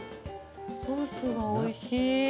ソースがおいしい。